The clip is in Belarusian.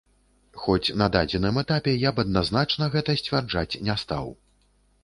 Хоць на дадзеным этапе я б адназначна гэта сцвярджаць не стаў.